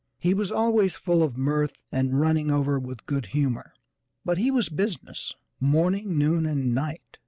He was always full of mirth and running over with good humor, but he was business, morning, noon and night.